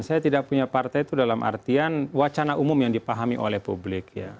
saya tidak punya partai itu dalam artian wacana umum yang dipahami oleh publik ya